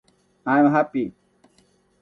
i'm happy